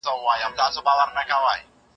ته ولي د کتابتون کتابونه لوستل کوې؟